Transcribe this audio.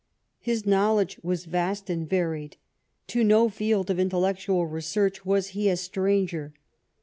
His knowledge was vast and varied. To no field of intellectual research was he a stranger."